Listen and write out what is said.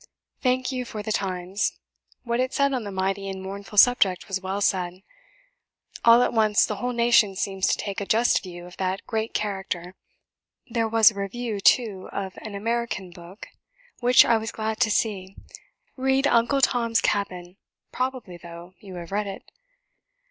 Thank you for the Times; what it said on the mighty and mournful subject was well said. All at once the whole nation seems to take a just view of that great character. There was a review too of an American book, which I was glad to see. Read 'Uncle Tom's Cabin': probably, though, you have read it.